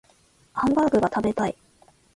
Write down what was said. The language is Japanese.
ハンバーグが食べたい